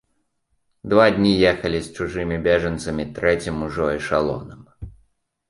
Два дні ехалі з чужымі бежанцамі трэцім ужо эшалонам.